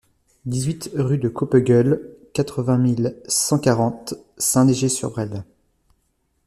dix-huit rue de Coppegueule, quatre-vingt mille cent quarante Saint-Léger-sur-Bresle